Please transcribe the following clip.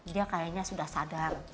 dia kayaknya sudah sadar